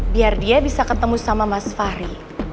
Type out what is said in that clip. biar dia bisa ketemu sama mas fahri